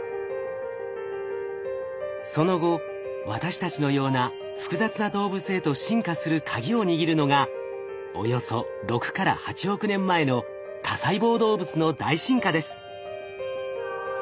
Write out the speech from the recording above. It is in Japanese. その後私たちのような複雑な動物へと進化するカギを握るのがおよそ６から８億年前の多細胞動物の大進化です。